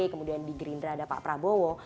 kemudian di gerindra ada pak prabowo